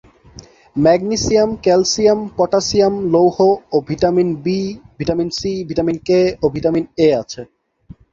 Magnesium, calcium, potassium, লৌহ এবং vitamin B, vitamin C, vitamin K ও ভিটামিন এ আছে।